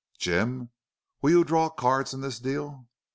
"Jim, will you draw cards in this deal?"